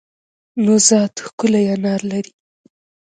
نوزاد ښکلی انار لری